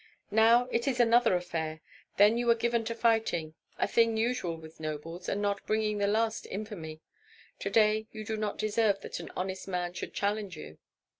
"Now it is another affair. Then you were given to fighting, a thing usual with nobles, and not bringing the last infamy. To day you do not deserve that an honest man should challenge you."